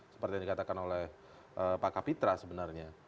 seperti yang dikatakan oleh pak kapitra sebenarnya